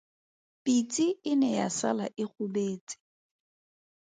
Pitse e ne ya sala e gobetse.